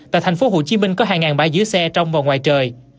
tại thành phố hồ chí minh có hai bãi dứa xe trong và ngoài trời